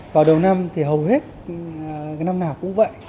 vào đầu năm thì hầu hết năm nào cũng vậy